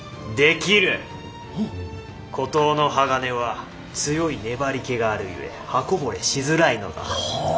古刀の鋼は強い粘りけがあるゆえ刃こぼれしづらいのだ。